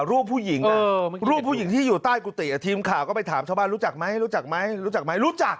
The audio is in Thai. รูปผู้หญิงนะรูปผู้หญิงที่อยู่ใต้กุฏิทีมข่าวก็ไปถามชาวบ้านรู้จักไหมรู้จักไหมรู้จักไหมรู้จัก